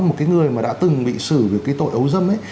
một người đã từng bị xử với tội ấu dâm